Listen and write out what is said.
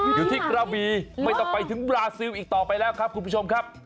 อยู่ที่กระบีไม่ต้องไปถึงบราซิลอีกต่อไปแล้วครับคุณผู้ชมครับ